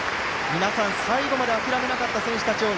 皆さん最後まで諦めなかった選手たちを